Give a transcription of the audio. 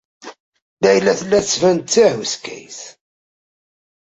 Layla tella tettban-d d tahuskayt.